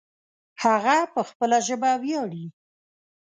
هغه په خپله ژبه ویاړې